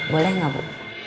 boleh enggak bu